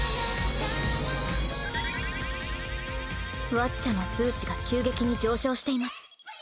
ワッチャの数値が急激に上昇しています。